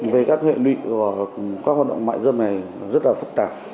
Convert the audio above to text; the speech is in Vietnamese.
về các hệ lụy của các hoạt động mại dâm này rất là phức tạp